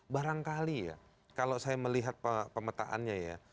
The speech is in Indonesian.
barangkali ya kalau saya melihat pemetaannya ya